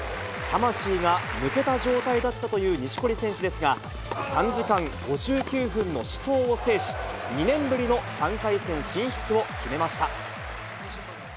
魂が抜けた状態だったという錦織選手ですが、３時間５９分の死闘を制し、２年ぶりの３回戦進出を決めました。